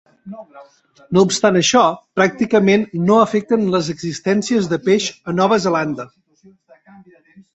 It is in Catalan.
No obstant això, pràcticament no afecten les existències de peix a Nova Zelanda.